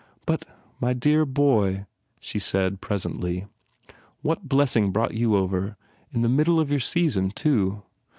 "But, my dear boy," she said, presently, "what blessing brought you over? In the middle of your season, too."